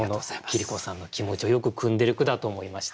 桐子さんの気持ちをよくくんでる句だと思いました。